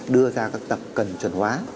đưa ra các tập cần chuẩn hóa